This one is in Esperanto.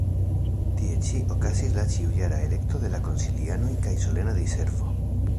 Tie ĉi okazis la ĉiujara elekto de la konsilianoj kaj solena diservo.